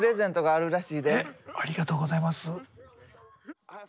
ありがとうございます。